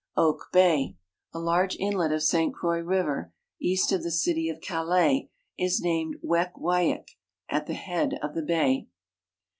Oak bay, a large inlet of St Croix river, east of the city of Calais, i.« named Wekw/iyik — "at the head of the bay."